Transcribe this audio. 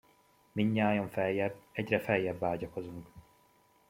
Mindnyájan feljebb, egyre feljebb vágyakozunk.